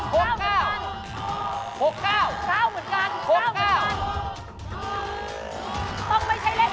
ต้องไม่ใช่เลขแปด